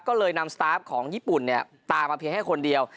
ก็เลยนำสตาร์ฟของญี่ปุ่นเนี่ยตามมาเพียงให้คนเดียว